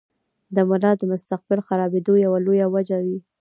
د ملا د مستقل خرابېدو يوه لويه وجه وي -